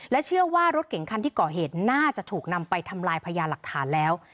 เชื่อว่ารถเก่งคันที่ก่อเหตุน่าจะถูกนำไปทำลายพญาหลักฐานแล้ว